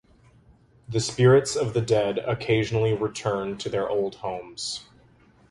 The spirits of the dead occasionally return to their old homes.